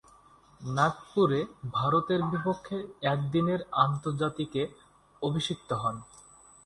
নাগপুরে ভারতের বিপক্ষে একদিনের আন্তর্জাতিকে অভিষিক্ত হন।